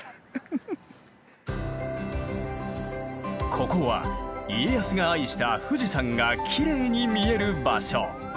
ここは家康が愛した富士山がきれいに見える場所。